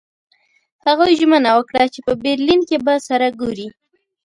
هغوی ژمنه وکړه چې په برلین کې به سره ګوري